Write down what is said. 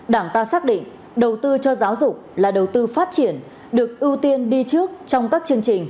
đảng ta xác định đầu tư cho giáo dục là đầu tư phát triển được ưu tiên đi trước trong các chương trình